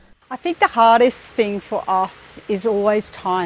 saya pikir yang paling sukar untuk kita adalah waktu